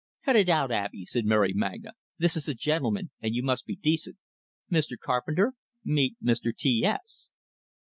"Cut it out, Abey," said Mary Magna. "This is a gentleman, and you must be decent. Mr. Carpenter, meet Mr. T S."